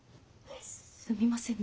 すみません。